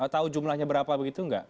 tahu jumlahnya berapa begitu nggak